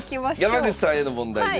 山口さんへの問題です。